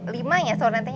saya sudah lima tahun